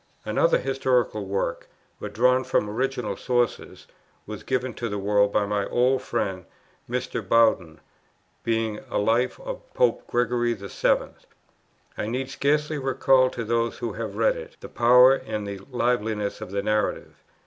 Another historical work, but drawn from original sources, was given to the world by my old friend Mr. Bowden, being a Life of Pope Gregory VII. I need scarcely recall to those who have read it, the power and the liveliness of the narrative.